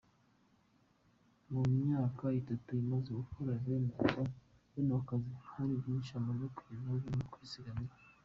Mu myaka itatu amaze akora bene ako kazi, hari byinshi amaze kwigezaho birimo kwizigamira.